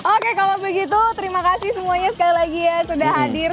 oke kalau begitu terima kasih semuanya sekali lagi ya sudah hadir